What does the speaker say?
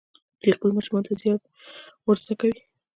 دوی خپلو ماشومانو ته زیار ور زده کوي.